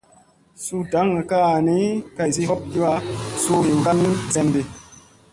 Suu daŋga kaa ni, haysi hop kiwa suya nii, asi ɓuuni senna.